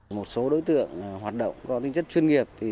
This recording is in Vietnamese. một số đối tượng hoạt động có tính chất chuyên nghiệp